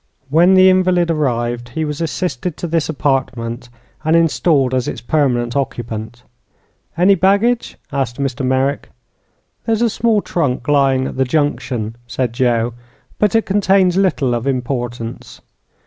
When the invalid arrived, he was assisted to this apartment and installed as its permanent occupant. "Any baggage?" asked Mr. Merrick. "There's a small trunk lying at the Junction," said Joe; "but it contains little of importance."